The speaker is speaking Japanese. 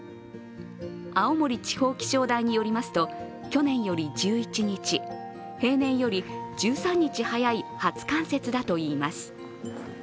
青森地方気象台によりますと去年１１日、平年より１３日早い初冠雪だといいます。